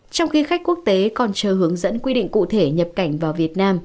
trong khi khách quốc tế còn chờ hướng dẫn quy định cụ thể nhập cảnh vào việt nam